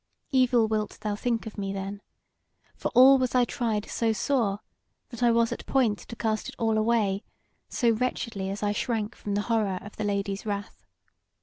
Evil wilt thou think of me then, for all I was tried so sore, that I was at point to cast it all away, so wretchedly as I shrank from the horror of the Lady's wrath."